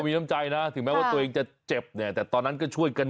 มีน้ำใจนะถึงแม้ว่าตัวเองจะเจ็บเนี่ยแต่ตอนนั้นก็ช่วยกัน